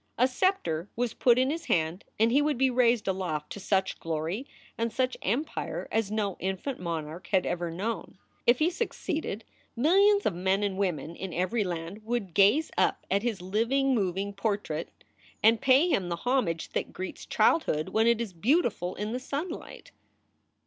A scepter was put in his hand and he would be raised aloft to such glory and such empire as no infant monarch had ever known. If he succeeded, millions of men and women in every land would gaze up at his living 258 SOULS FOR SALE moving portrait, and pay him the homage that greets childhood when it is beautiful in the sunlight.